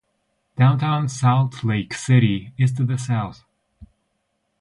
Downtown Salt Lake City is to the south.